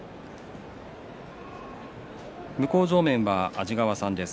向正面は安治川さんです。